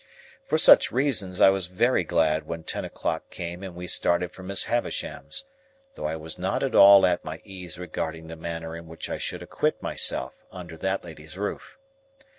For such reasons, I was very glad when ten o'clock came and we started for Miss Havisham's; though I was not at all at my ease regarding the manner in which I should acquit myself under that lady's roof.